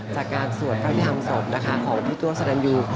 จากการสวดภาพธิธรรมศพนะคะของพิทัวร์สลันยู